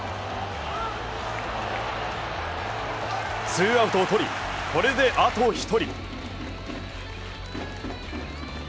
ツーアウトを取り、これであと１人。